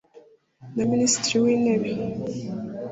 Na minisitiri w intebe